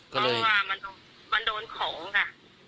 เพราะว่ามันโดนของค่ะ